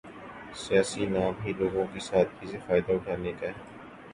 سیاست نام ہی لوگوں کی سادگی سے فائدہ اٹھانے کا ہے۔